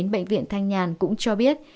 bệnh viện thanh nhàn cũng cho biết